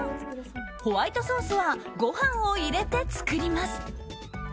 ホワイトソースはご飯を入れて作ります。